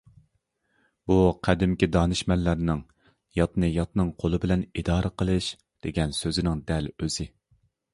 بۇ قەدىمكى دانىشمەنلەرنىڭ دېگەن سۆزنىڭ دەل ئۆزى.